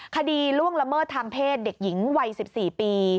ล่วงละเมิดทางเพศเด็กหญิงวัย๑๔ปี